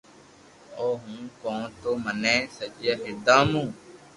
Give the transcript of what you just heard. آوہ ھون ڪونڪھ ٿي مني سچا ھردا مون